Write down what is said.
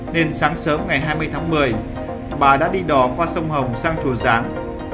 nên sáng sớm ngày hai mươi tháng một mươi bà đã đi đò qua sông hồng sang chùa giáng